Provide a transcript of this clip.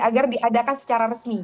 agar diadakan secara resmi